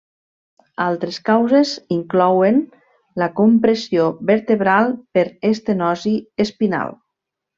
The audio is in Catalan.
Altres causes inclouen la compressió vertebral per estenosi espinal.